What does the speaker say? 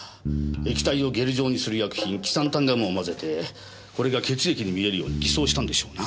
液体をゲル状にする薬品キサンタンガムを混ぜてこれが血液に見えるように偽装したんでしょうな。